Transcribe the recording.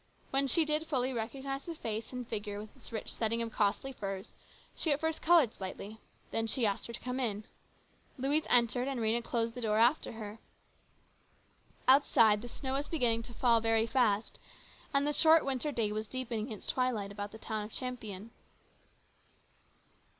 When she did fully recognise the face and figure with its rich setting of costly furs, she at first coloured slightly. Then she asked her to come in. Louise entered and Rhena closed the door after her. Outside the snow was beginning to fall very fast, and the short winter day was deepening its twilight about the town of Champion.